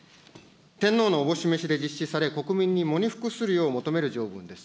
天皇の思し召しで実施され、国民に喪に服するよう求める条文です。